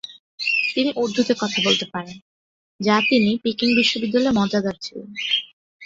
তিনি উর্দুতে কথা বলতে পারেন, যা তিনি পিকিং বিশ্ববিদ্যালয়ে মজাদার ছিলেন।